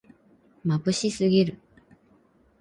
まぶしすぎる